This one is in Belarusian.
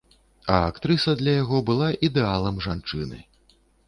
А актрыса для яго была ідэалам жанчыны.